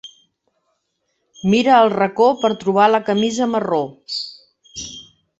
Mira al racó per trobar la camisa marró.